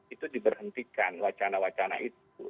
itu diberhentikan wacana wacana itu